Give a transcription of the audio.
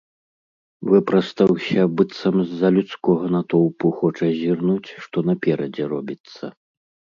Выпрастаўся, быццам з-за людскога натоўпу хоча зірнуць, што наперадзе робіцца.